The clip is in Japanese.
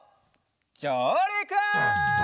じょうりく！